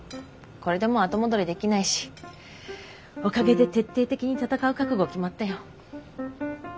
これでもう後戻りできないしおかげで徹底的に戦う覚悟決まったよ。